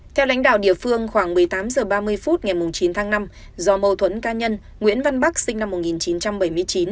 theo lãnh đạo địa phương khoảng một mươi tám h ba mươi phút ngày chín tháng năm do mâu thuẫn cá nhân nguyễn văn bắc sinh năm một nghìn chín trăm bảy mươi chín